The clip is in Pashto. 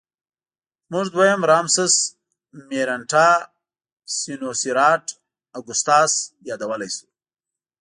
موږ دویم رامسس مېرنټاه سینوسېراټ اګسټاس یادولی شو.